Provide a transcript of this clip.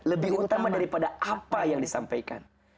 lebih utama daripada apa yang disampaikan